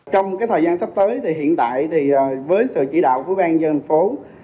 trong thời gian sắp tới hiện tại với sự chỉ đạo của bang dân phố